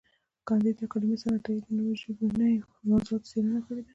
کانديد اکاډميسن عطايي د نوو ژبنیو موضوعاتو څېړنه کړې ده.